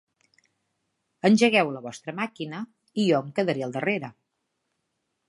Engegueu la vostra màquina i jo em quedaré al darrere.